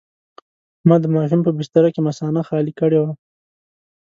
ما د ماشوم په بستره کې مثانه خالي کړې وه.